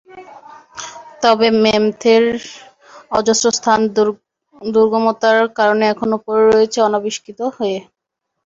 তবে ম্যামথের অজস্র স্থান দুর্গমতার কারণে এখনো পড়ে রয়েছে অনাবিষ্কৃত হয়ে।